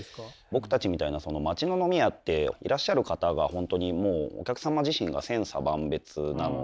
僕たちみたいな町の飲み屋っていらっしゃる方が本当にもうお客様自身が千差万別なので。